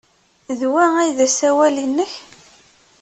D wa ay d asawal-nnek?